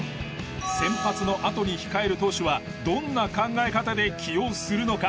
先発のあとに控える投手はどんな考え方で起用するのか？